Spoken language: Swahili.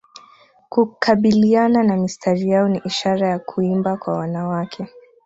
Kukabiliana na mistari yao ni ishara ya kuimba kwa wanawake